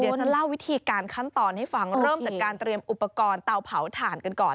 เดี๋ยวจะเล่าวิธีการขั้นตอนให้ฟังเริ่มจากการเตรียมอุปกรณ์เตาเผาถ่านกันก่อน